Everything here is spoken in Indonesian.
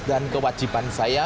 dan kewajiban saya